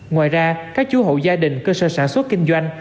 ngoài ra các chú hộ gia đình cơ sở sản xuất kinh doanh